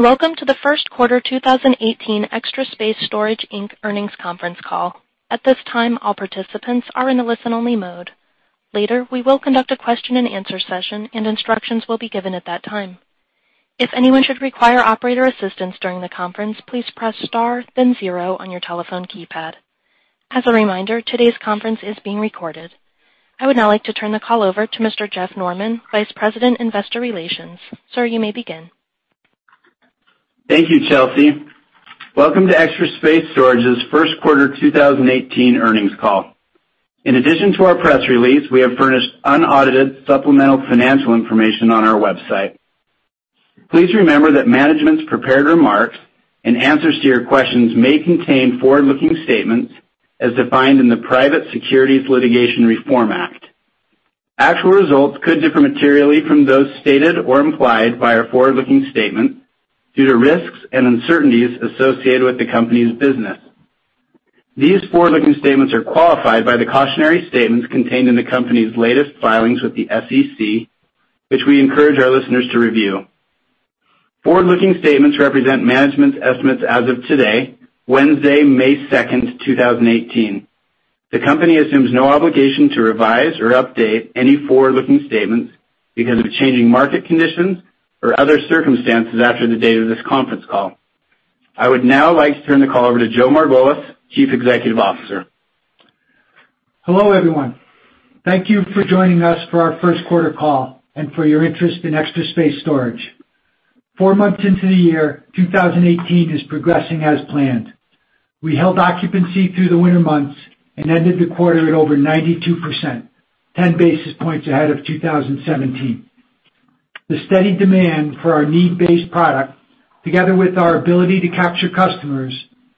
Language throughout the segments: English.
Welcome to the first quarter 2018 Extra Space Storage Inc. earnings conference call. At this time, all participants are in a listen-only mode. Later, we will conduct a question and answer session and instructions will be given at that time. If anyone should require operator assistance during the conference, please press star then zero on your telephone keypad. As a reminder, today's conference is being recorded. I would now like to turn the call over to Mr. Jeff Norman, Vice President, Investor Relations. Sir, you may begin. Thank you, Chelsea. Welcome to Extra Space Storage's first quarter 2018 earnings call. In addition to our press release, we have furnished unaudited supplemental financial information on our website. Please remember that management's prepared remarks and answers to your questions may contain forward-looking statements as defined in the Private Securities Litigation Reform Act. Actual results could differ materially from those stated or implied by our forward-looking statement due to risks and uncertainties associated with the company's business. These forward-looking statements are qualified by the cautionary statements contained in the company's latest filings with the SEC, which we encourage our listeners to review. Forward-looking statements represent management's estimates as of today, Wednesday, May 2, 2018. The company assumes no obligation to revise or update any forward-looking statements because of changing market conditions or other circumstances after the date of this conference call. I would now like to turn the call over to Joe Margolis, Chief Executive Officer. Hello, everyone. Thank you for joining us for our first quarter call and for your interest in Extra Space Storage. Four months into the year, 2018 is progressing as planned. We held occupancy through the winter months and ended the quarter at over 92%, 10 basis points ahead of 2017. The steady demand for our need-based product, together with our ability to capture customers,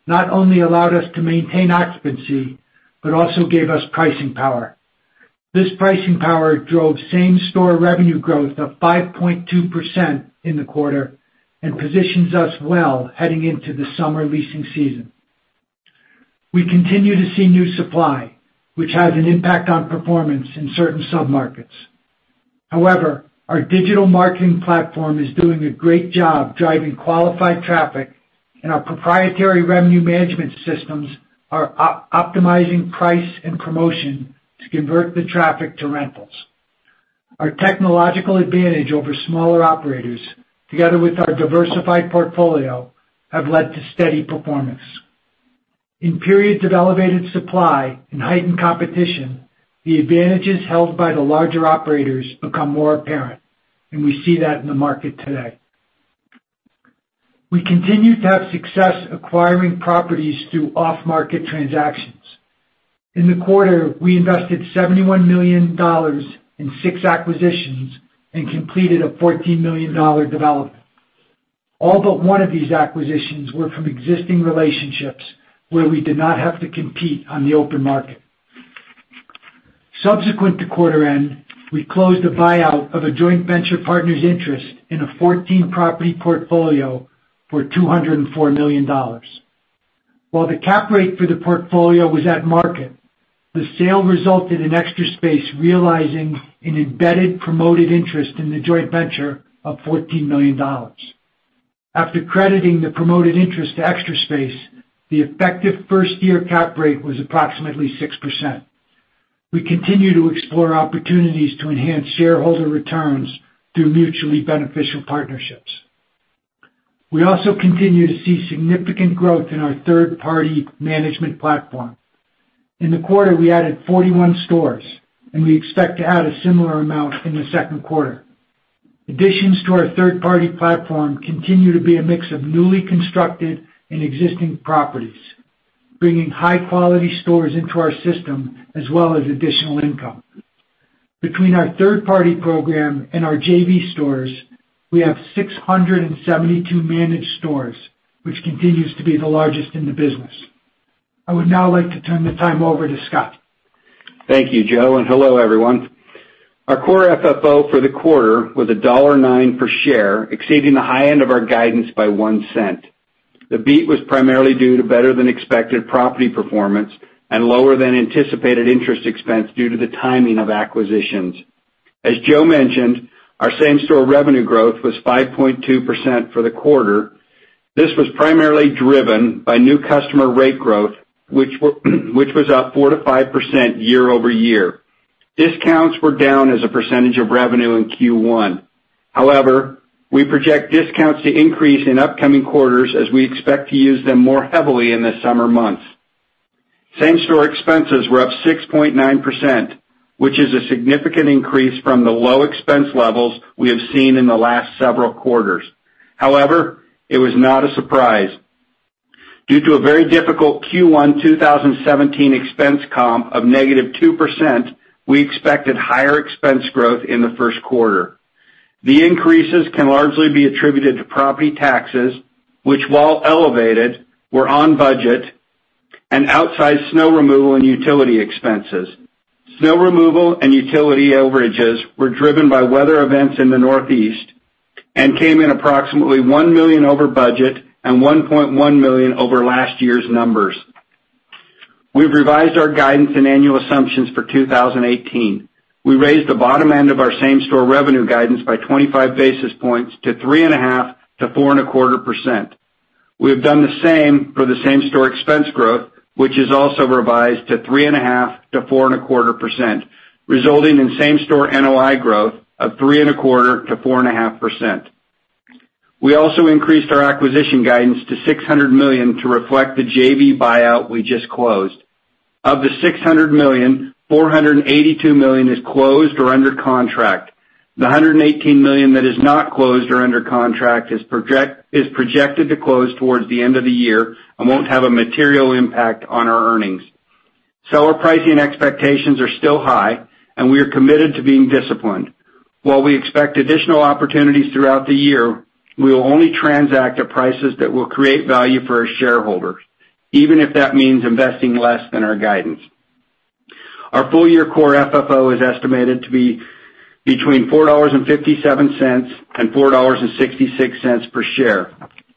not only allowed us to maintain occupancy, but also gave us pricing power. This pricing power drove same-store revenue growth of 5.2% in the quarter and positions us well heading into the summer leasing season. We continue to see new supply, which has an impact on performance in certain sub-markets. However, our digital marketing platform is doing a great job driving qualified traffic, and our proprietary revenue management systems are optimizing price and promotion to convert the traffic to rentals. Our technological advantage over smaller operators, together with our diversified portfolio, have led to steady performance. In periods of elevated supply and heightened competition, the advantages held by the larger operators become more apparent, we see that in the market today. We continue to have success acquiring properties through off-market transactions. In the quarter, we invested $71 million in 6 acquisitions and completed a $14 million development. All but 1 of these acquisitions were from existing relationships where we did not have to compete on the open market. Subsequent to quarter end, we closed a buyout of a joint venture partner's interest in a 14-property portfolio for $204 million. While the cap rate for the portfolio was at market, the sale resulted in Extra Space realizing an embedded promoted interest in the joint venture of $14 million. After crediting the promoted interest to Extra Space, the effective first-year cap rate was approximately 6%. We continue to explore opportunities to enhance shareholder returns through mutually beneficial partnerships. We continue to see significant growth in our third-party management platform. In the quarter, we added 41 stores, we expect to add a similar amount in the second quarter. Additions to our third-party platform continue to be a mix of newly constructed and existing properties, bringing high-quality stores into our system as well as additional income. Between our third-party program and our JV stores, we have 672 managed stores, which continues to be the largest in the business. I would now like to turn the time over to Scott. Thank you, Joe, hello, everyone. Our core FFO for the quarter was $1.09 per share, exceeding the high end of our guidance by $0.01. The beat was primarily due to better-than-expected property performance and lower-than-anticipated interest expense due to the timing of acquisitions. As Joe mentioned, our same-store revenue growth was 5.2% for the quarter. This was primarily driven by new customer rate growth, which was up 4%-5% year-over-year. Discounts were down as a percentage of revenue in Q1. We project discounts to increase in upcoming quarters as we expect to use them more heavily in the summer months. Same-store expenses were up 6.9%, which is a significant increase from the low expense levels we have seen in the last several quarters. It was not a surprise. Due to a very difficult Q1 2017 expense comp of -2%, we expected higher expense growth in the first quarter. The increases can largely be attributed to property taxes, which while elevated, were on budget outside snow removal and utility expenses. Snow removal and utility overages were driven by weather events in the Northeast and came in approximately $1 million over budget and $1.1 million over last year's numbers. We've revised our guidance and annual assumptions for 2018. We raised the bottom end of our same-store revenue guidance by 25 basis points to 3.5%-4.25%. We have done the same for the same-store expense growth, which is also revised to 3.5%-4.25%, resulting in same-store NOI growth of 3.25%-4.5%. We also increased our acquisition guidance to $600 million to reflect the JV buyout we just closed. Of the $600 million, $482 million is closed or under contract. The $118 million that is not closed or under contract is projected to close towards the end of the year and won't have a material impact on our earnings. Seller pricing expectations are still high, and we are committed to being disciplined. While we expect additional opportunities throughout the year, we will only transact at prices that will create value for our shareholders, even if that means investing less than our guidance. Our full-year core FFO is estimated to be between $4.57 and $4.66 per share.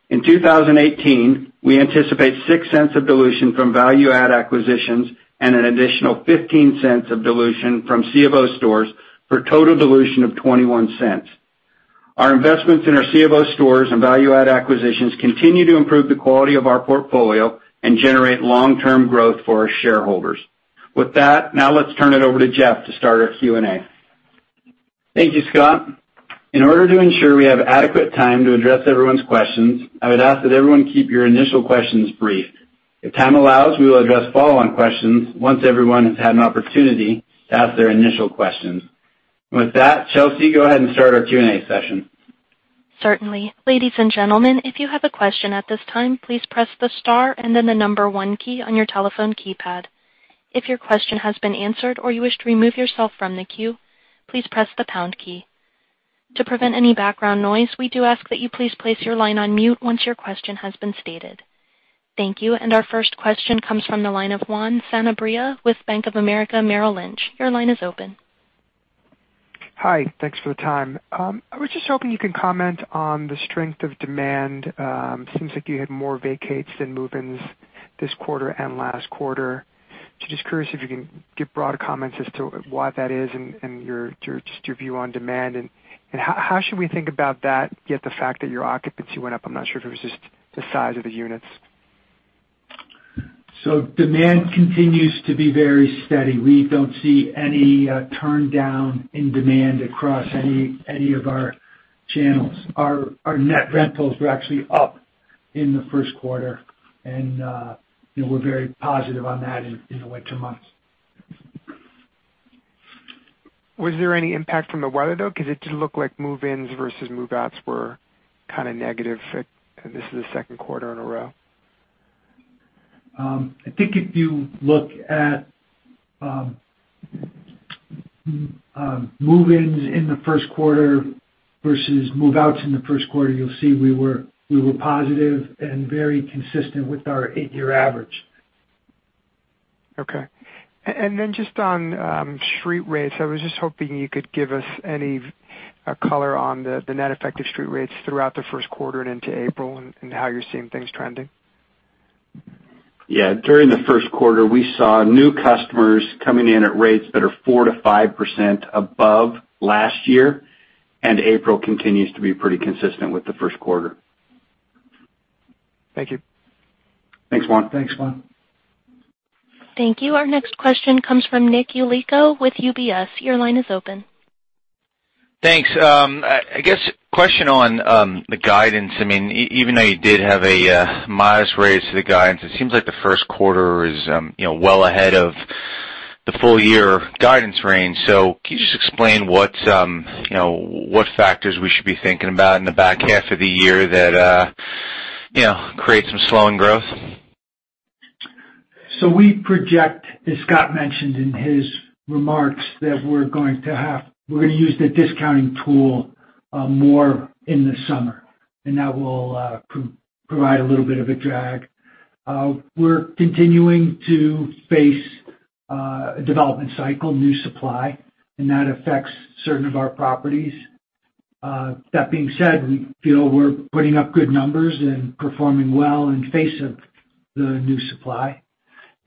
In 2018, we anticipate $0.06 of dilution from value add acquisitions and an additional $0.15 of dilution from C of O stores for a total dilution of $0.21. Our investments in our C of O stores and value add acquisitions continue to improve the quality of our portfolio and generate long-term growth for our shareholders. With that, now let's turn it over to Jeff to start our Q&A. Thank you, Scott. In order to ensure we have adequate time to address everyone's questions, I would ask that everyone keep your initial questions brief. If time allows, we will address follow-on questions once everyone has had an opportunity to ask their initial questions. With that, Chelsea, go ahead and start our Q&A session. Certainly. Ladies and gentlemen, if you have a question at this time, please press the star and then the number one key on your telephone keypad. If your question has been answered or you wish to remove yourself from the queue, please press the pound key. To prevent any background noise, we do ask that you please place your line on mute once your question has been stated. Thank you. Our first question comes from the line of Juan Sanabria with Bank of America Merrill Lynch. Your line is open. Hi. Thanks for the time. I was just hoping you could comment on the strength of demand. It seems like you had more vacates than move-ins this quarter and last quarter. Just curious if you can give broad comments as to why that is and just your view on demand, and how should we think about that, yet the fact that your occupancy went up. I'm not sure if it was just the size of the units. Demand continues to be very steady. We don't see any turn down in demand across any of our channels. Our net rentals were actually up in the First Quarter, and we're very positive on that in the winter months. Was there any impact from the weather, though? It did look like move-ins versus move-outs were kind of negative, and this is the Second Quarter in a row. I think if you look at move-ins in the First Quarter versus move-outs in the First Quarter, you'll see we were positive and very consistent with our eight-year average. Okay. Then just on street rates, I was just hoping you could give us any color on the net effective street rates throughout the first quarter and into April and how you're seeing things trending. Yeah. During the first quarter, we saw new customers coming in at rates that are 4%-5% above last year, April continues to be pretty consistent with the first quarter. Thank you. Thanks, Juan. Thanks, Juan. Thank you. Our next question comes from Nick Yulico with UBS. Your line is open. Thanks. I guess a question on the guidance. Even though you did have a modest raise to the guidance, it seems like the first quarter is well ahead of the full-year guidance range. Can you just explain what factors we should be thinking about in the back half of the year that create some slowing growth? We project, as Scott mentioned in his remarks, that we're going to use the discounting tool more in the summer, that will provide a little bit of a drag. We're continuing to face a development cycle, new supply, and that affects certain of our properties. That being said, we feel we're putting up good numbers and performing well in face of the new supply.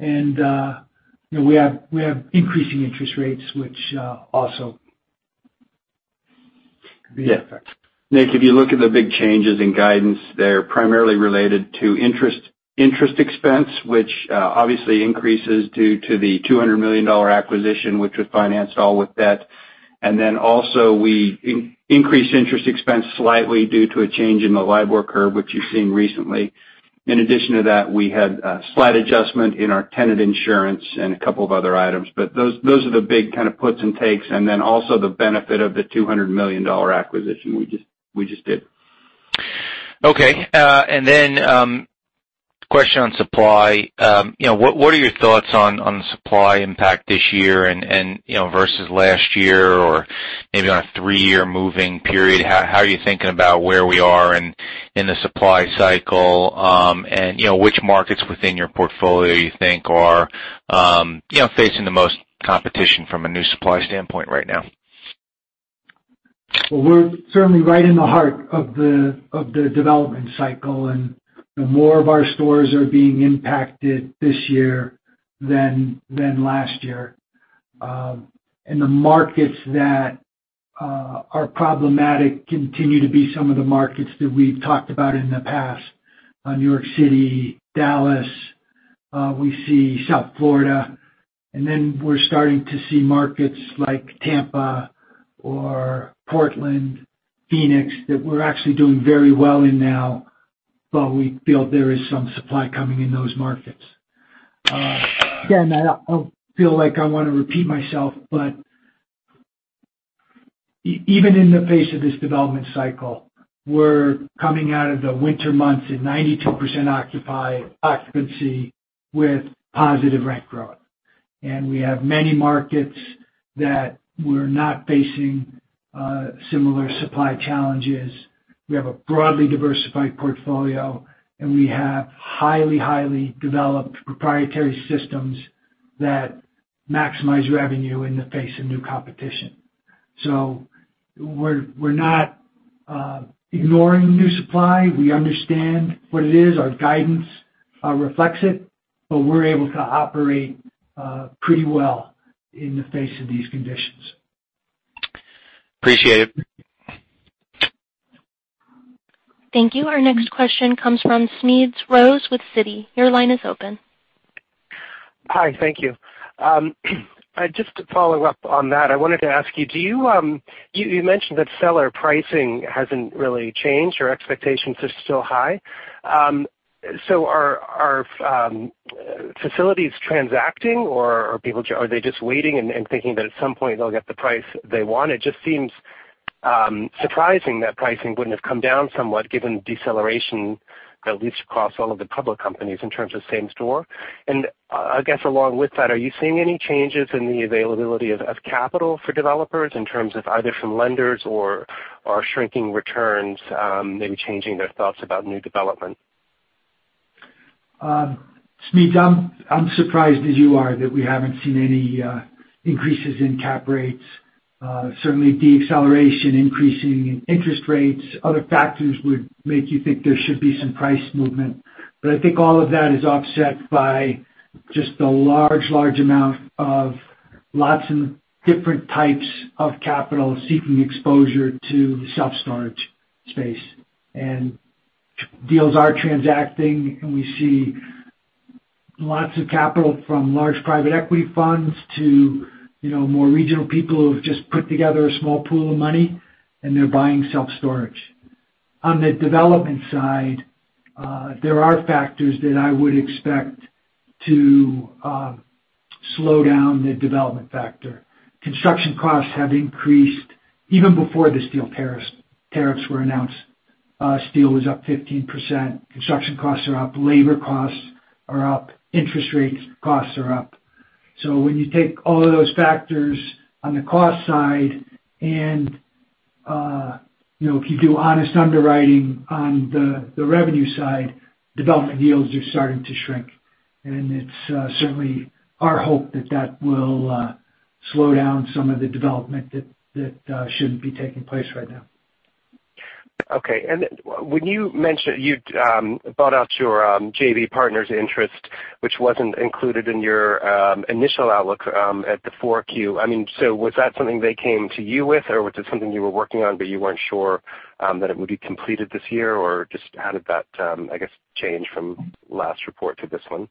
We have increasing interest rates, which also could be a factor. Yeah. Nick, if you look at the big changes in guidance, they're primarily related to interest expense, which obviously increases due to the $200 million acquisition, which was financed all with debt. We increased interest expense slightly due to a change in the LIBOR curve, which you've seen recently. In addition to that, we had a slight adjustment in our tenant insurance and a couple of other items. Those are the big kind of puts and takes, and then also the benefit of the $200 million acquisition we just did. Okay. A question on supply. What are your thoughts on the supply impact this year versus last year or maybe on a three-year moving period? How are you thinking about where we are in the supply cycle, and which markets within your portfolio you think are facing the most competition from a new supply standpoint right now? Well, we're certainly right in the heart of the development cycle, and more of our stores are being impacted this year than last year. The markets that are problematic continue to be some of the markets that we've talked about in the past, New York City, Dallas. We see South Florida, and then we're starting to see markets like Tampa or Portland, Phoenix, that we're actually doing very well in now, but we feel there is some supply coming in those markets. Again, I feel like I want to repeat myself, even in the face of this development cycle, we're coming out of the winter months at 92% occupancy with positive rent growth. We have many markets that we're not facing similar supply challenges. We have a broadly diversified portfolio, and we have highly developed proprietary systems that maximize revenue in the face of new competition. We're not ignoring new supply. We understand what it is. Our guidance reflects it, but we're able to operate pretty well in the face of these conditions. Appreciate it. Thank you. Our next question comes from Smedes Rose with Citi. Your line is open. Hi, thank you. Just to follow up on that, I wanted to ask you mentioned that seller pricing hasn't really changed or expectations are still high. Are facilities transacting, or are they just waiting and thinking that at some point they'll get the price they want? It just seems surprising that pricing wouldn't have come down somewhat, given deceleration at least across all of the public companies in terms of same store. I guess along with that, are you seeing any changes in the availability of capital for developers in terms of either from lenders or shrinking returns maybe changing their thoughts about new development? Smedes, I'm surprised as you are that we haven't seen any increases in cap rates. Certainly deceleration, increasing in interest rates, other factors would make you think there should be some price movement. I think all of that is offset by just the large amount of lots and different types of capital seeking exposure to the self-storage space. Deals are transacting, and we see lots of capital from large private equity funds to more regional people who've just put together a small pool of money, and they're buying self-storage. On the development side, there are factors that I would expect to slow down the development factor. Construction costs have increased even before the steel tariffs were announced. Steel was up 15%. Construction costs are up, labor costs are up, interest rates costs are up. When you take all of those factors on the cost side, if you do honest underwriting on the revenue side, development deals are starting to shrink. It's certainly our hope that that will slow down some of the development that shouldn't be taking place right now. Okay. When you bought out your JV partner's interest, which wasn't included in your initial outlook at the 4Q, was that something they came to you with, or was it something you were working on, but you weren't sure that it would be completed this year? Just how did that, I guess, change from last report to this one?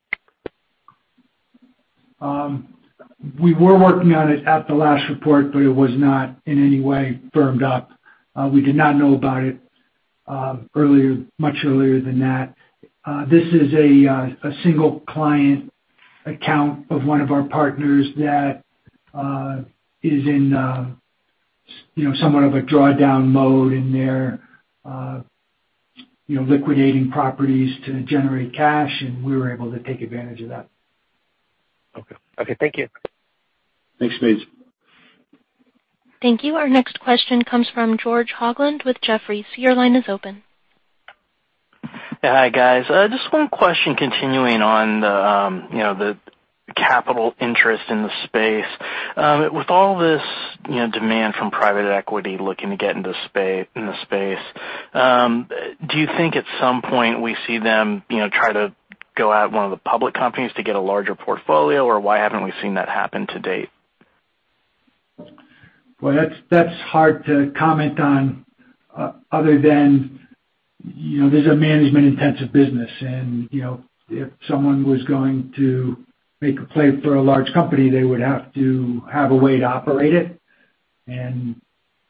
We were working on it at the last report, but it was not in any way firmed up. We did not know about it much earlier than that. This is a single client account of one of our partners that is in somewhat of a drawdown mode, and they're liquidating properties to generate cash, and we were able to take advantage of that. Okay. Thank you. Thanks, Smedes. Thank you. Our next question comes from George Hoglund with Jefferies. Your line is open. Yeah. Hi, guys. Just one question continuing on the capital interest in the space. With all this demand from private equity looking to get in the space, do you think at some point we see them try to go at one of the public companies to get a larger portfolio, or why haven't we seen that happen to date? Boy, that's hard to comment on other than this is a management-intensive business, if someone was going to make a play for a large company, they would have to have a way to operate it. I'm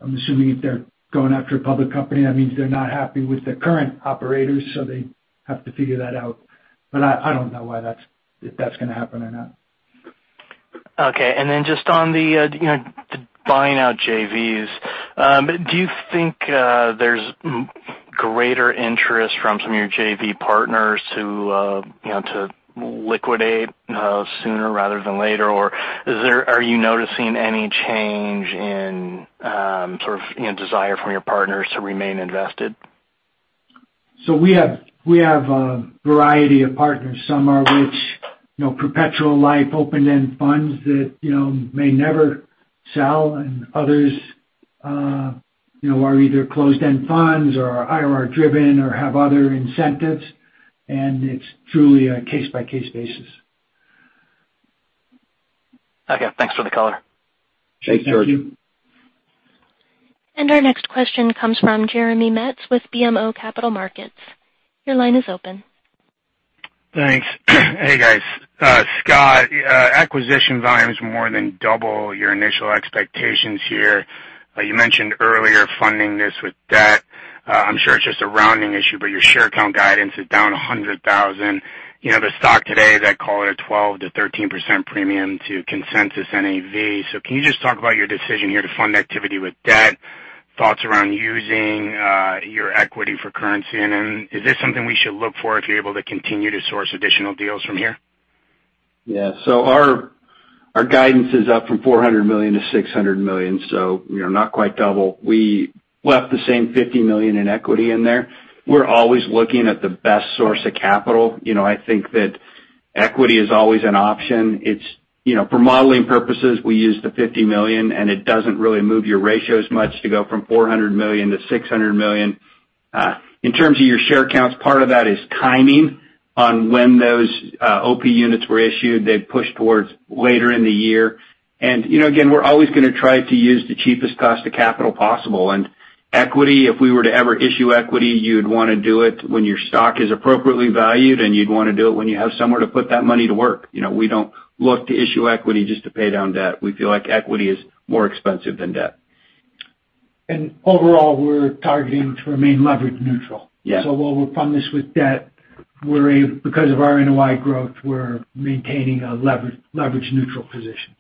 assuming if they're going after a public company, that means they're not happy with the current operators, so they have to figure that out. I don't know if that's going to happen or not. Okay. Then just on the buying out JVs, do you think there's greater interest from some of your JV partners to liquidate sooner rather than later, or are you noticing any change in desire from your partners to remain invested? We have a variety of partners. Some are which perpetual life open-end funds that may never sell, and others are either closed-end funds or IRR-driven or have other incentives, and it's truly a case-by-case basis. Okay. Thanks for the color. Sure thing. Thank you. Our next question comes from Jeremy Metz with BMO Capital Markets. Your line is open. Thanks. Hey, guys. Scott, acquisition volume is more than double your initial expectations here. You mentioned earlier funding this with debt. I'm sure it's just a rounding issue, but your share count guidance is down 100,000. The stock today, they call it a 12%-13% premium to consensus NAV. Can you just talk about your decision here to fund activity with debt, thoughts around using your equity for currency? Is this something we should look for if you're able to continue to source additional deals from here? Yeah. Our guidance is up from $400 million-$600 million, so not quite double. We left the same $50 million in equity in there. We're always looking at the best source of capital. I think that equity is always an option. For modeling purposes, we use the $50 million, and it doesn't really move your ratios much to go from $400 million-$600 million. In terms of your share counts, part of that is timing on when those OP Units were issued. They've pushed towards later in the year. We're always going to try to use the cheapest cost of capital possible. Equity, if we were to ever issue equity, you'd want to do it when your stock is appropriately valued, and you'd want to do it when you have somewhere to put that money to work. We don't look to issue equity just to pay down debt. We feel like equity is more expensive than debt. Overall, we're targeting to remain leverage neutral. Yeah. While we fund this with debt, because of our NOI growth, we're maintaining a leverage neutral position.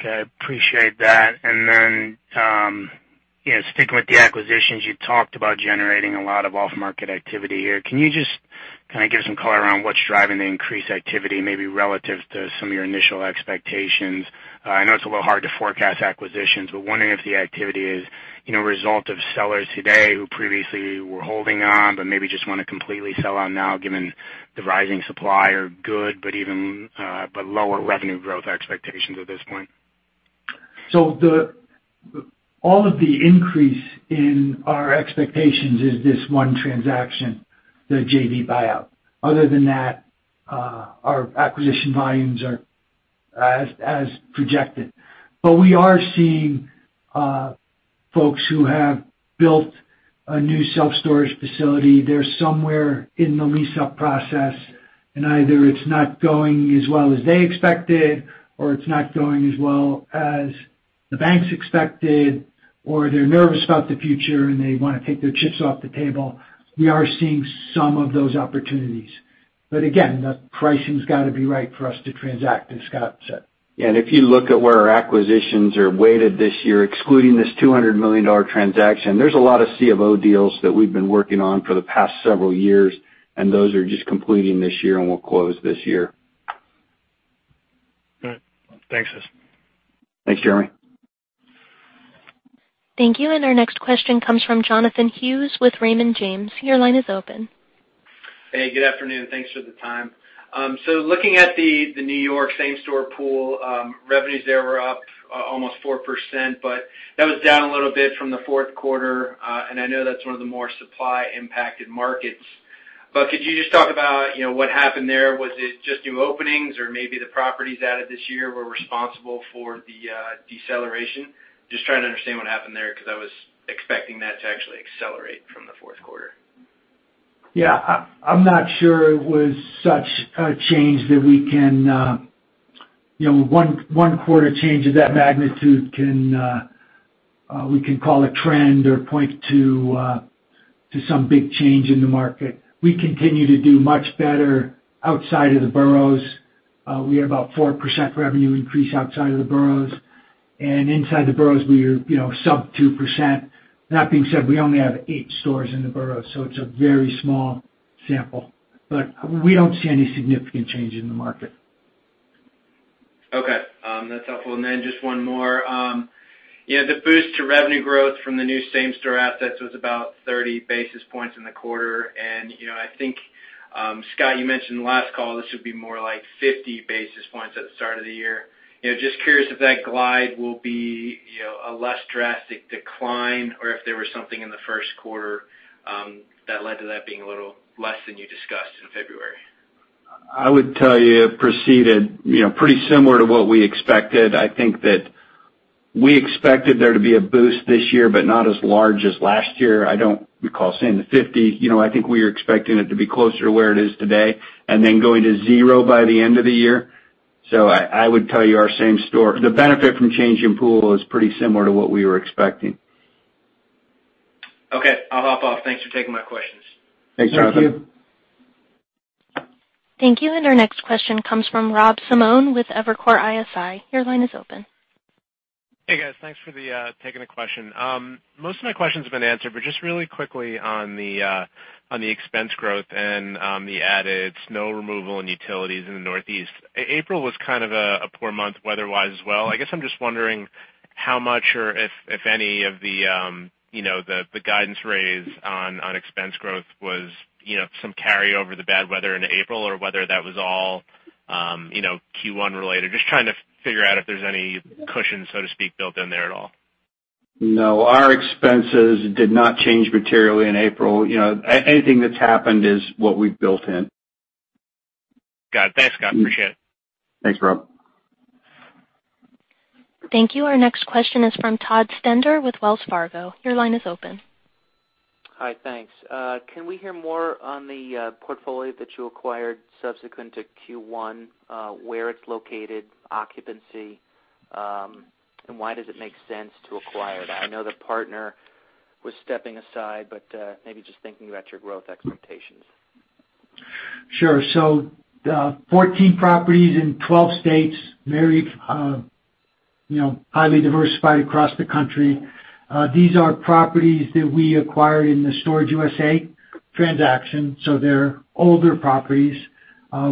Okay. Appreciate that. Then sticking with the acquisitions, you talked about generating a lot of off-market activity here. Can you just kind of give some color around what's driving the increased activity, maybe relative to some of your initial expectations? I know it's a little hard to forecast acquisitions, but wondering if the activity is a result of sellers today who previously were holding on but maybe just want to completely sell out now given the rising supply or good, but even lower revenue growth expectations at this point. All of the increase in our expectations is this one transaction, the JV buyout. Other than that, our acquisition volumes are as projected. We are seeing folks who have built a new self-storage facility. They're somewhere in the lease-up process, and either it's not going as well as they expected, or it's not going as well as the banks expected, or they're nervous about the future and they want to take their chips off the table. We are seeing some of those opportunities. Again, the pricing's got to be right for us to transact, as Scott said. If you look at where our acquisitions are weighted this year, excluding this $200 million transaction, there's a lot of C of O deals that we've been working on for the past several years, and those are just completing this year and will close this year. All right. Thanks. Thanks, Jeremy. Thank you. Our next question comes from Jonathan Hughes with Raymond James. Your line is open. Hey, good afternoon. Thanks for the time. Looking at the New York same-store pool, revenues there were up almost 4%, but that was down a little bit from the fourth quarter. I know that's one of the more supply-impacted markets. Could you just talk about what happened there? Was it just new openings or maybe the properties added this year were responsible for the deceleration? Just trying to understand what happened there because I was expecting that to actually accelerate from the fourth quarter. Yeah. I'm not sure it was such a change that one quarter change of that magnitude, we can call a trend or point to some big change in the market. We continue to do much better outside of the boroughs. We had about 4% revenue increase outside of the boroughs. Inside the boroughs, we are sub 2%. That being said, we only have eight stores in the borough, so it's a very small sample. We don't see any significant change in the market. Okay. That's helpful. Then just one more. The boost to revenue growth from the new same-store assets was about 30 basis points in the quarter. I think, Scott, you mentioned last call, this would be more like 50 basis points at the start of the year. Just curious if that glide will be a less drastic decline or if there was something in the first quarter that led to that being a little less than you discussed in February. I would tell you it proceeded pretty similar to what we expected. I think that we expected there to be a boost this year, but not as large as last year. I don't recall saying the 50. I think we were expecting it to be closer to where it is today and then going to zero by the end of the year. I would tell you our same store, the benefit from change in pool is pretty similar to what we were expecting. Okay. I'll hop off. Thanks for taking my questions. Thanks, Jonathan. Thank you. Thank you. Our next question comes from Robert Simone with Evercore ISI. Your line is open. Hey, guys. Thanks for taking the question. Most of my questions have been answered, just really quickly on the expense growth and on the added snow removal and utilities in the Northeast. April was kind of a poor month weather-wise as well. I guess I'm just wondering how much or if any of the guidance raised on expense growth was some carry over the bad weather in April, or whether that was all Q1 related? Just trying to figure out if there's any cushion, so to speak, built in there at all. No, our expenses did not change materially in April. Anything that's happened is what we've built in. Got it. Thanks, Scott. Appreciate it. Thanks, Rob. Thank you. Our next question is from Todd Stender with Wells Fargo. Your line is open. Hi. Thanks. Can we hear more on the portfolio that you acquired subsequent to Q1, where it's located, occupancy, and why does it make sense to acquire that? I know the partner was stepping aside, but maybe just thinking about your growth expectations. Sure. The 14 properties in 12 states, highly diversified across the country. These are properties that we acquired in the Storage USA transaction. They're older properties.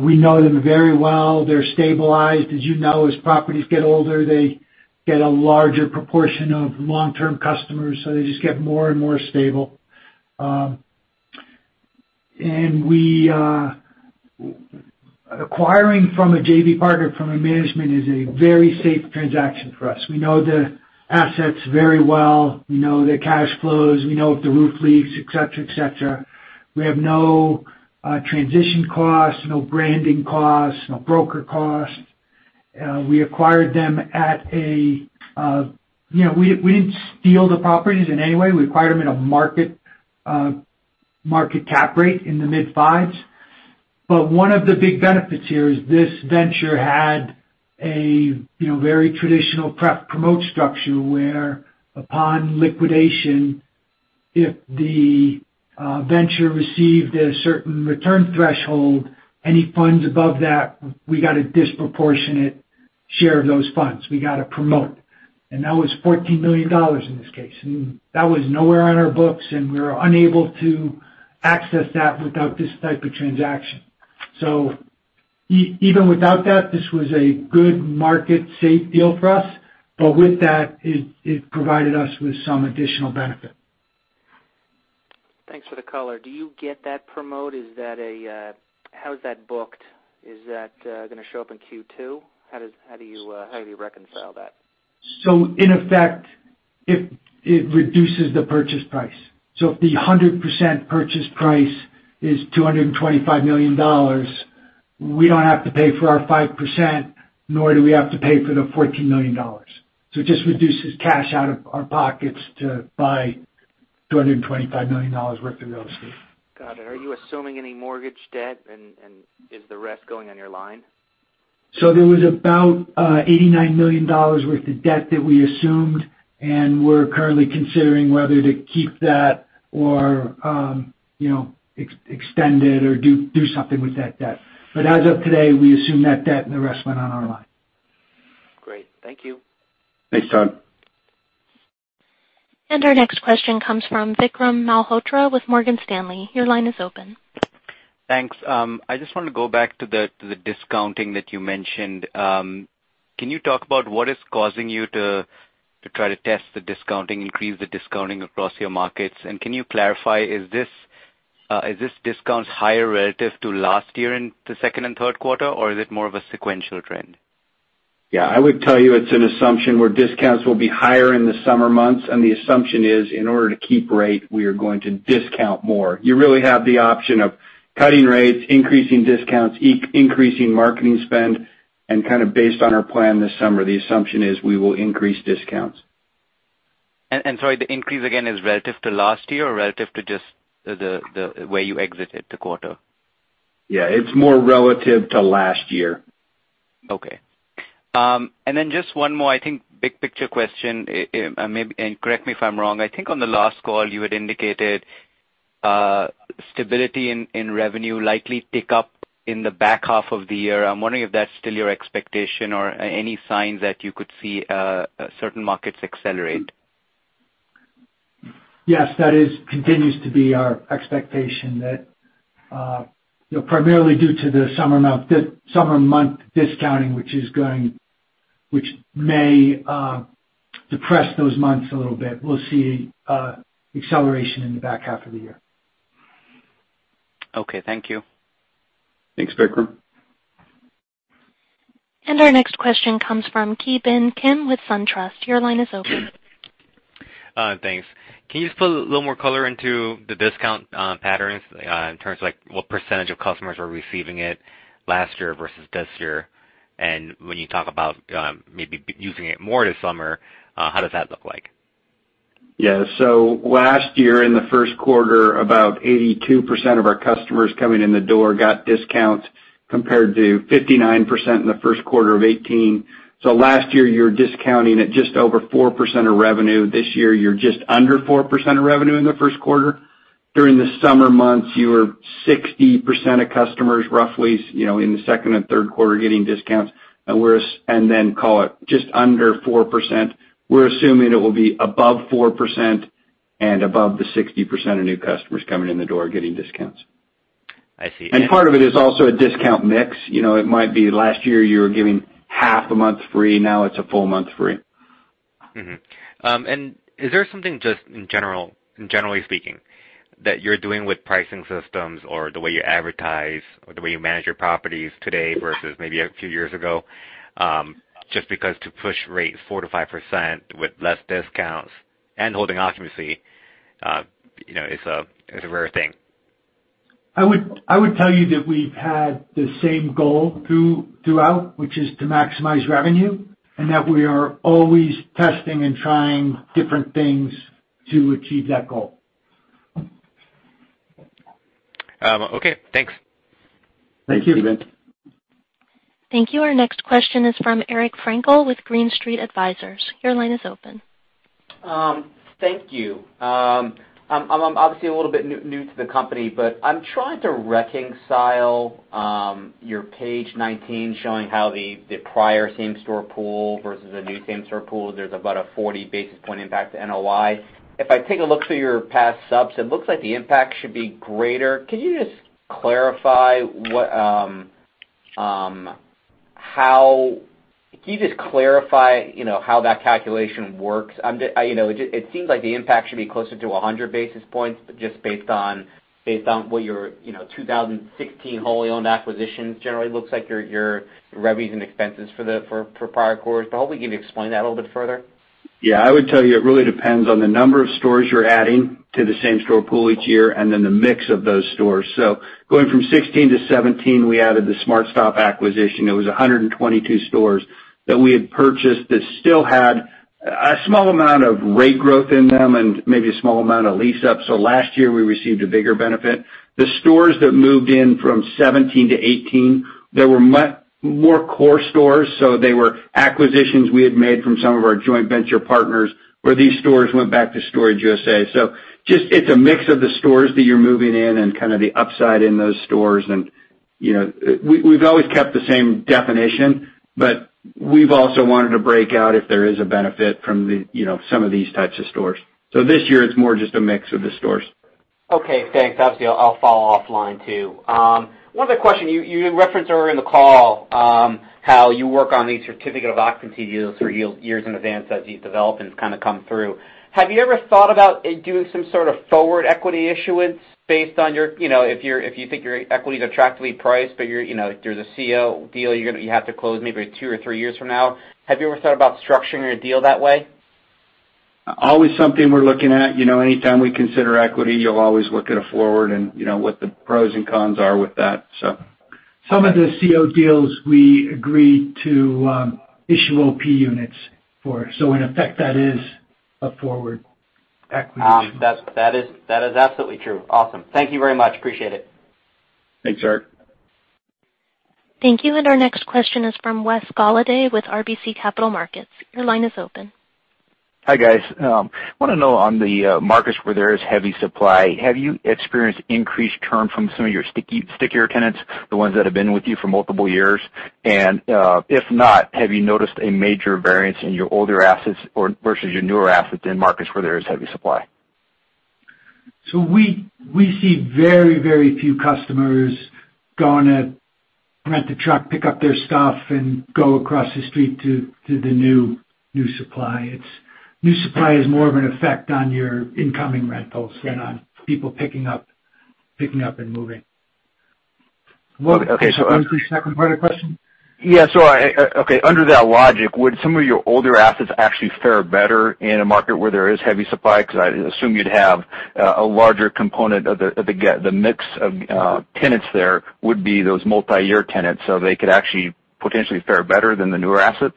We know them very well. They're stabilized. As you know, as properties get older, they get a larger proportion of long-term customers, so they just get more and more stable. Acquiring from a JV partner from a management is a very safe transaction for us. We know the assets very well. We know the cash flows. We know if the roof leaks, et cetera. We have no transition costs, no branding costs, no broker costs. We didn't steal the properties in any way. We acquired them in a market cap rate in the mid-fives. One of the big benefits here is this venture had a very traditional prep promote structure where upon liquidation, if the venture received a certain return threshold, any funds above that, we got a disproportionate share of those funds. We got a promote. That was $14 million in this case. That was nowhere on our books, and we were unable to access that without this type of transaction. Even without that, this was a good market, safe deal for us. With that, it provided us with some additional benefit. Thanks for the color. Do you get that promote? How is that booked? Is that going to show up in Q2? How do you reconcile that? In effect, it reduces the purchase price. If the 100% purchase price is $225 million, we don't have to pay for our 5%, nor do we have to pay for the $14 million. It just reduces cash out of our pockets to buy $225 million worth of real estate. Got it. Are you assuming any mortgage debt, and is the rest going on your line? There was about $89 million worth of debt that we assumed, and we're currently considering whether to keep that or extend it or do something with that debt. As of today, we assume that debt and the rest went on our line. Great. Thank you. Thanks, Todd. Our next question comes from Vikram Malhotra with Morgan Stanley. Your line is open. Thanks. I just want to go back to the discounting that you mentioned. Can you talk about what is causing you to try to test the discounting, increase the discounting across your markets? Can you clarify, is this discount higher relative to last year in the second and third quarter, or is it more of a sequential trend? Yeah, I would tell you it's an assumption where discounts will be higher in the summer months, and the assumption is in order to keep rate, we are going to discount more. You really have the option of cutting rates, increasing discounts, increasing marketing spend, and kind of based on our plan this summer, the assumption is we will increase discounts. Sorry, the increase again is relative to last year or relative to just the way you exited the quarter? Yeah, it's more relative to last year. Okay. Then just one more, I think, big picture question. Correct me if I'm wrong. I think on the last call you had indicated stability in revenue likely pick up in the back half of the year. I'm wondering if that's still your expectation or any signs that you could see certain markets accelerate. Yes, that continues to be our expectation that primarily due to the summer month discounting, which may depress those months a little bit. We'll see acceleration in the back half of the year. Okay. Thank you. Thanks, Vikram. Our next question comes from Ki Bin Kim with SunTrust. Your line is open. Thanks. Can you just put a little more color into the discount patterns in terms of what % of customers were receiving it last year versus this year? When you talk about maybe using it more this summer, how does that look like? Yeah. Last year in the first quarter, about 82% of our customers coming in the door got discounts compared to 59% in the first quarter of 2018. Last year you were discounting at just over 4% of revenue. This year you're just under 4% of revenue in the first quarter. During the summer months, you were 60% of customers roughly in the second and third quarter getting discounts, then call it just under 4%. We're assuming it will be above 4% and above the 60% of new customers coming in the door getting discounts. I see. part of it is also a discount mix. It might be last year you were giving half a month free, now it's a full month free. Mm-hmm. Is there something just generally speaking, that you're doing with pricing systems or the way you advertise or the way you manage your properties today versus maybe a few years ago? Just because to push rates 4%-5% with less discounts and holding occupancy, is a rare thing. I would tell you that we've had the same goal throughout, which is to maximize revenue, and that we are always testing and trying different things to achieve that goal. Okay, thanks. Thank you. Thanks, Ki Bin. Thank you. Our next question is from Eric Frankel with Green Street Advisors. Your line is open. Thank you. I'm obviously a little bit new to the company, but I'm trying to reconcile your page 19 showing how the prior same-store pool versus the new same-store pool, there's about a 40 basis point impact to NOI. If I take a look through your past subs, it looks like the impact should be greater. Can you just clarify how that calculation works? It seems like the impact should be closer to 100 basis points, but just based on what your 2016 wholly-owned acquisitions generally looks like, your revenues and expenses for the prior quarter. Hopefully you can explain that a little bit further. I would tell you it really depends on the number of stores you're adding to the same-store pool each year, the mix of those stores. Going from 2016 to 2017, we added the SmartStop acquisition. It was 122 stores that we had purchased that still had a small amount of rate growth in them and maybe a small amount of lease up. Last year we received a bigger benefit. The stores that moved in from 2017 to 2018, they were more core stores, they were acquisitions we had made from some of our joint venture partners where these stores went back to Storage USA. It's a mix of the stores that you're moving in and kind of the upside in those stores. We've always kept the same definition, but we've also wanted to break out if there is a benefit from some of these types of stores. This year it's more just a mix of the stores. Okay, thanks. Obviously, I'll follow offline too. One other question. You referenced earlier in the call, how you work on these Certificate of Occupancy deals for years in advance as these developments kind of come through. Have you ever thought about doing some sort of forward equity issuance based on if you think your equity is attractively priced, but there's a CO deal you have to close maybe two or three years from now? Have you ever thought about structuring your deal that way? Always something we're looking at. Anytime we consider equity, you'll always look at a forward and what the pros and cons are with that. Some of the CO deals we agreed to issue OP Units for. In effect, that is a forward equity. That is absolutely true. Awesome. Thank you very much. Appreciate it. Thanks, Eric. Thank you. Our next question is from Wes Golladay with RBC Capital Markets. Your line is open. Hi guys. I want to know on the markets where there is heavy supply, have you experienced increased churn from some of your stickier tenants, the ones that have been with you for multiple years? If not, have you noticed a major variance in your older assets versus your newer assets in markets where there is heavy supply? We see very few customers going to rent a truck, pick up their stuff, and go across the street to the new supply. New supply is more of an effect on your incoming rentals than on people picking up and moving. Was there a second part of the question? Yeah. Okay. Under that logic, would some of your older assets actually fare better in a market where there is heavy supply? Because I assume you'd have a larger component of the mix of tenants there would be those multiyear tenants, so they could actually potentially fare better than the newer assets.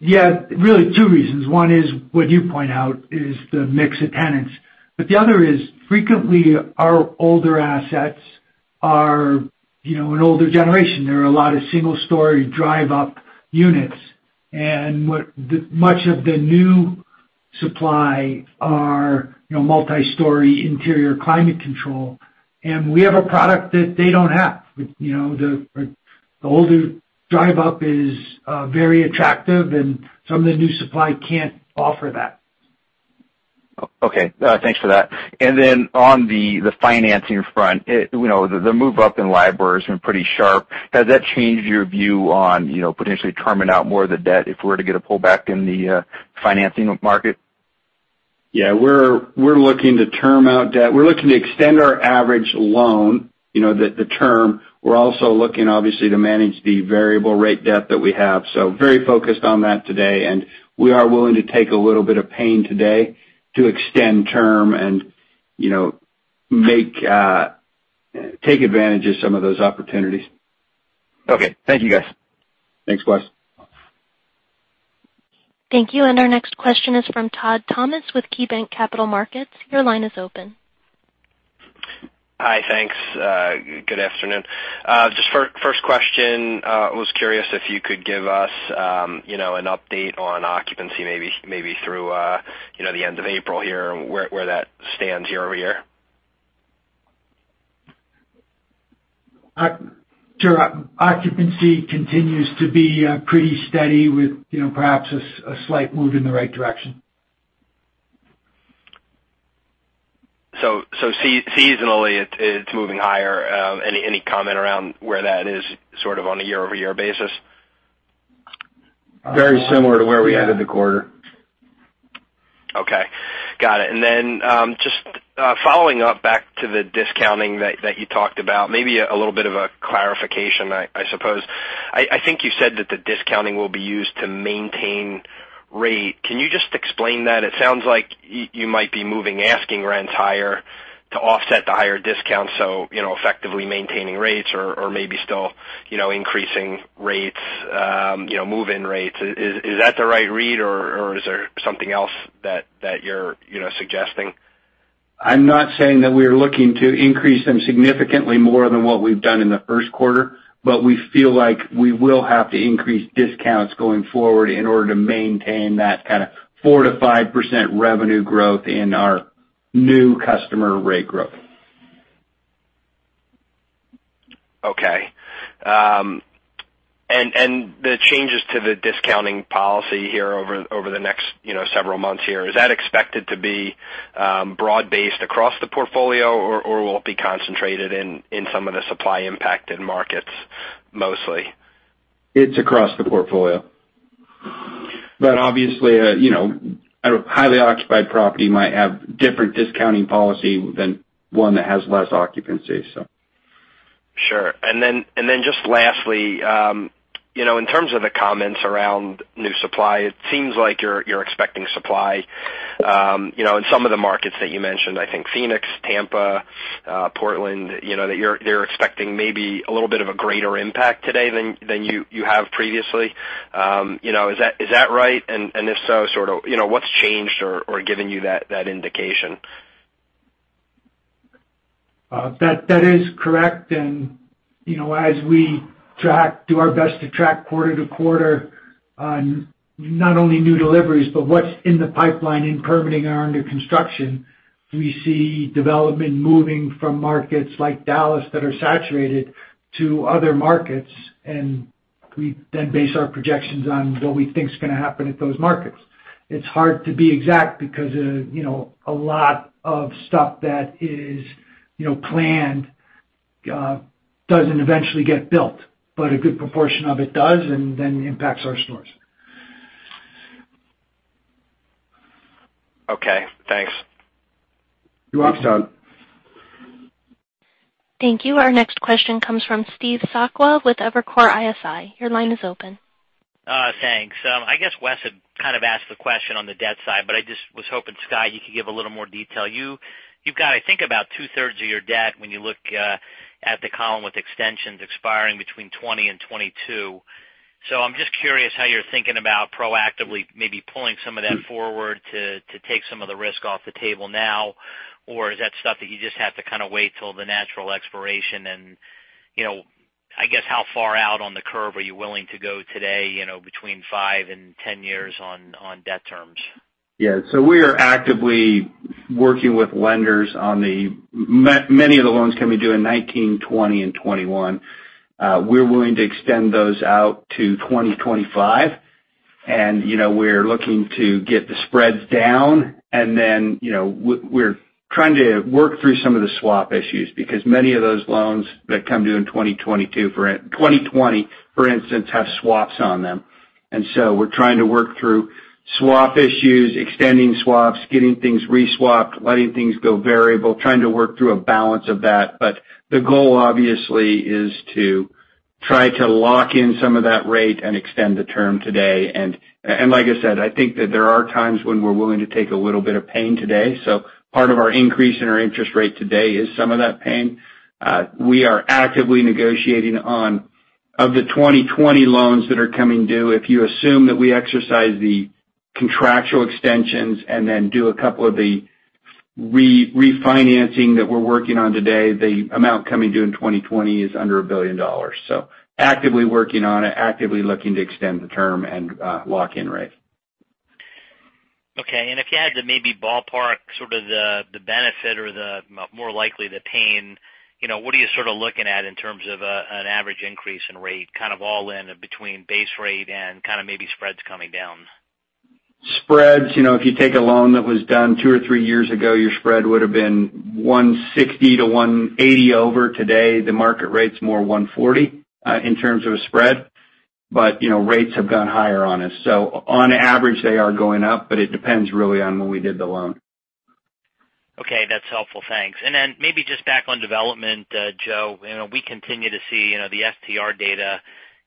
Yeah. Really two reasons. One is what you point out is the mix of tenants. The other is frequently our older assets are an older generation. There are a lot of single-story drive-up units, and much of the new supply are multi-story interior climate control, and we have a product that they don't have. The older drive-up is very attractive and some of the new supply can't offer that. Okay, thanks for that. Then on the financing front, the move up in LIBOR has been pretty sharp. Has that changed your view on potentially terming out more of the debt if we were to get a pullback in the financing market? Yeah, we're looking to term out debt. We're looking to extend our average loan, the term. We're also looking obviously to manage the variable rate debt that we have. Very focused on that today, and we are willing to take a little bit of pain today to extend term and take advantage of some of those opportunities. Okay. Thank you, guys. Thanks, Wes. Thank you. Our next question is from Todd Thomas with KeyBanc Capital Markets. Your line is open. Hi. Thanks. Good afternoon. First question, I was curious if you could give us an update on occupancy maybe through the end of April here and where that stands year-over-year. Sure. Occupancy continues to be pretty steady with perhaps a slight move in the right direction. Seasonally, it's moving higher. Any comment around where that is sort of on a year-over-year basis? Very similar to where we ended the quarter. Okay, got it. Just following up back to the discounting that you talked about, maybe a little bit of a clarification, I suppose. I think you said that the discounting will be used to maintain rate. Can you just explain that? It sounds like you might be moving asking rents higher to offset the higher discount, so effectively maintaining rates or maybe still increasing rates, move-in rates. Is that the right read, or is there something else that you're suggesting? I'm not saying that we're looking to increase them significantly more than what we've done in the first quarter, but we feel like we will have to increase discounts going forward in order to maintain that kind of 4%-5% revenue growth in our new customer rate growth. Okay. The changes to the discounting policy here over the next several months here, is that expected to be broad-based across the portfolio, or will it be concentrated in some of the supply-impacted markets, mostly? It's across the portfolio. Obviously, a highly occupied property might have different discounting policy than one that has less occupancy. Sure. Just lastly, in terms of the comments around new supply, it seems like you're expecting supply in some of the markets that you mentioned, I think Phoenix, Tampa, Portland, that you're expecting maybe a little bit of a greater impact today than you have previously. Is that right? If so, what's changed or given you that indication? That is correct, as we do our best to track quarter-to-quarter on not only new deliveries but what's in the pipeline in permitting or under construction, we see development moving from markets like Dallas that are saturated to other markets. We then base our projections on what we think is going to happen at those markets. It's hard to be exact because a lot of stuff that is planned doesn't eventually get built, but a good proportion of it does, then impacts our stores. Okay, thanks. You're welcome. Thank you. Our next question comes from Steve Sakwa with Evercore ISI. Your line is open. Thanks. I guess Wes had kind of asked the question on the debt side, but I just was hoping, Scott, you could give a little more detail. You've got, I think, about two-thirds of your debt when you look at the column with extensions expiring between 2020 and 2022. I'm just curious how you're thinking about proactively maybe pulling some of that forward to take some of the risk off the table now. Is that stuff that you just have to kind of wait till the natural expiration and, I guess, how far out on the curve are you willing to go today, between 5 and 10 years on debt terms? We are actively working with lenders on many of the loans coming due in 2019, 2020, and 2021. We're willing to extend those out to 2025, and we're looking to get the spreads down. Then we're trying to work through some of the swap issues, because many of those loans that come due in 2020, for instance, have swaps on them. We're trying to work through swap issues, extending swaps, getting things re-swapped, letting things go variable, trying to work through a balance of that. The goal, obviously, is to try to lock in some of that rate and extend the term today. Like I said, I think that there are times when we're willing to take a little bit of pain today. Part of our increase in our interest rate today is some of that pain. We are actively negotiating on, of the 2020 loans that are coming due, if you assume that we exercise the contractual extensions and then do a couple of the refinancing that we're working on today, the amount coming due in 2020 is under $1 billion. Actively working on it, actively looking to extend the term and lock in rate. Okay. If you had to maybe ballpark sort of the benefit or the more likely the pain, what are you sort of looking at in terms of an average increase in rate, kind of all in between base rate and kind of maybe spreads coming down? Spreads, if you take a loan that was done two or three years ago, your spread would've been 160-180 over. Today, the market rate's more 140 in terms of a spread. Rates have gone higher on us. On average, they are going up, but it depends really on when we did the loan. Okay, that's helpful. Thanks. Maybe just back on development, Joe, we continue to see the FTR data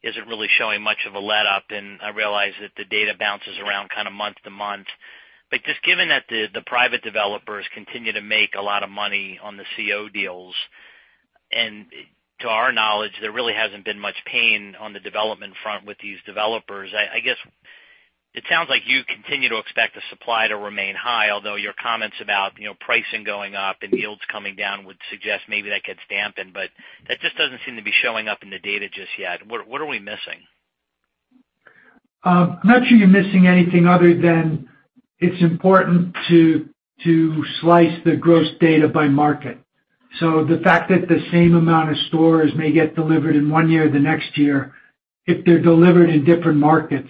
isn't really showing much of a letup. I realize that the data bounces around kind of month to month. Just given that the private developers continue to make a lot of money on the CO deals, to our knowledge, there really hasn't been much pain on the development front with these developers. I guess it sounds like you continue to expect the supply to remain high, although your comments about pricing going up and yields coming down would suggest maybe that gets dampened. That just doesn't seem to be showing up in the data just yet. What are we missing? I'm not sure you're missing anything other than it's important to slice the gross data by market. The fact that the same amount of stores may get delivered in one year the next year, if they're delivered in different markets,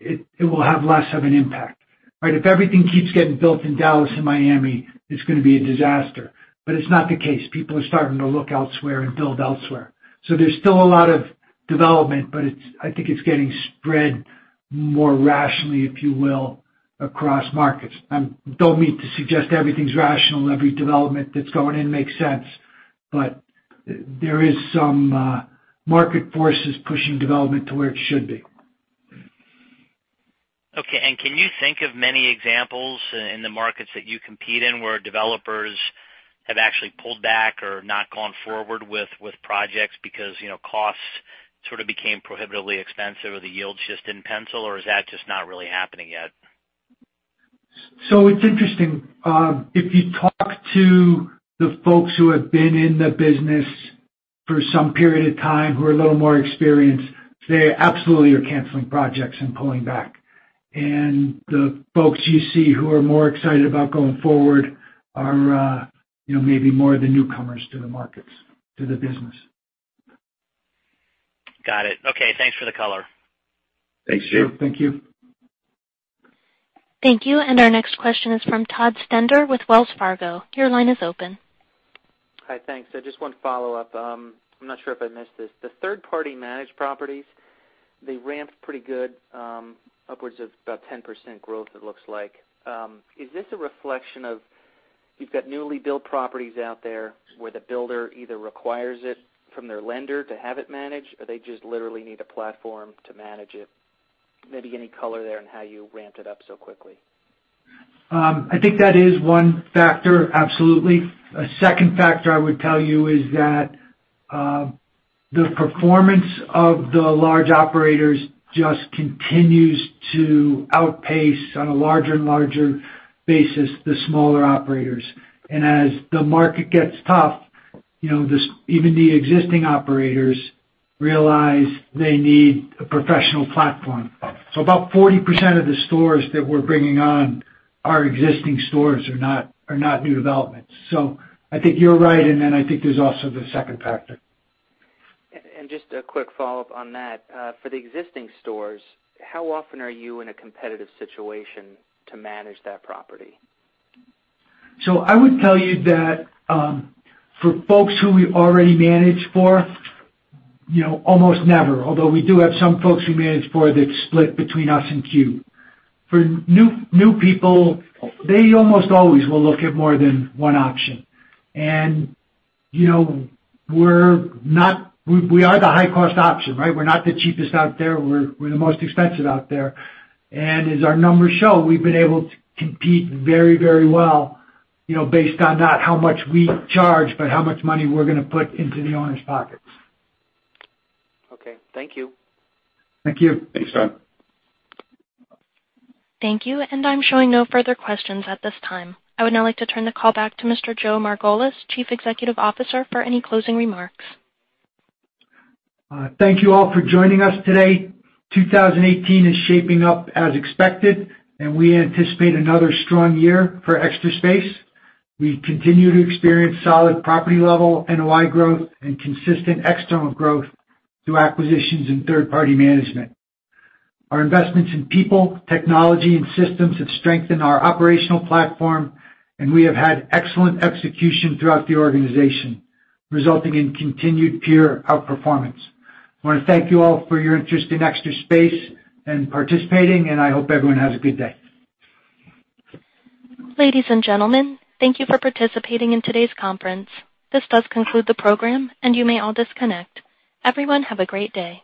it will have less of an impact. If everything keeps getting built in Dallas and Miami, it's going to be a disaster, but it's not the case. People are starting to look elsewhere and build elsewhere. There's still a lot of development, but I think it's getting spread more rationally, if you will, across markets. I don't mean to suggest everything's rational, every development that's going in makes sense, but there is some market forces pushing development to where it should be. Okay. Can you think of many examples in the markets that you compete in where developers have actually pulled back or not gone forward with projects because costs sort of became prohibitively expensive or the yields just didn't pencil, is that just not really happening yet? It's interesting. If you talk to the folks who have been in the business for some period of time who are a little more experienced, they absolutely are canceling projects and pulling back. The folks you see who are more excited about going forward are maybe more the newcomers to the markets, to the business. Got it. Okay. Thanks for the color. Thanks, Steve. Sure. Thank you. Thank you. Our next question is from Todd Stender with Wells Fargo. Your line is open. Hi. Thanks. Just one follow-up. I'm not sure if I missed this. The third-party managed properties, they ramped pretty good, upwards of about 10% growth it looks like. Is this a reflection of you've got newly built properties out there where the builder either requires it from their lender to have it managed, or they just literally need a platform to manage it? Maybe any color there on how you ramped it up so quickly. I think that is one factor, absolutely. A second factor I would tell you is that the performance of the large operators just continues to outpace on a larger and larger basis the smaller operators. As the market gets tough, even the existing operators realize they need a professional platform. About 40% of the stores that we're bringing on are existing stores, are not new developments. I think you're right, and then I think there's also the second factor. Just a quick follow-up on that. For the existing stores, how often are you in a competitive situation to manage that property? I would tell you that for folks who we already manage for, almost never, although we do have some folks we manage for that split between us and CubeSmart. For new people, they almost always will look at more than one option. We are the high-cost option. We're not the cheapest out there. We're the most expensive out there. As our numbers show, we've been able to compete very well based on not how much we charge, but how much money we're going to put into the owner's pockets. Okay. Thank you. Thank you. Thanks, Todd. Thank you. I'm showing no further questions at this time. I would now like to turn the call back to Mr. Joe Margolis, Chief Executive Officer, for any closing remarks. Thank you all for joining us today. 2018 is shaping up as expected, and we anticipate another strong year for Extra Space. We continue to experience solid property-level NOI growth and consistent external growth through acquisitions and third-party management. Our investments in people, technology and systems have strengthened our operational platform, and we have had excellent execution throughout the organization, resulting in continued peer outperformance. I want to thank you all for your interest in Extra Space and participating, and I hope everyone has a good day. Ladies and gentlemen, thank you for participating in today's conference. This does conclude the program, and you may all disconnect. Everyone, have a great day.